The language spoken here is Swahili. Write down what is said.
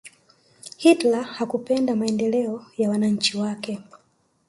hitler hakupenda maendeleo ya wananchi wake